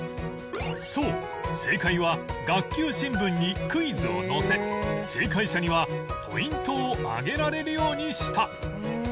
そう正解は学級新聞にクイズを載せ正解者にはポイントをあげられるようにした